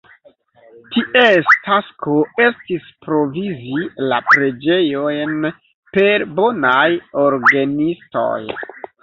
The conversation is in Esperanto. Ties tasko estis provizi la preĝejojn per bonaj orgenistoj.